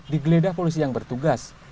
digeledah polisi yang bertugas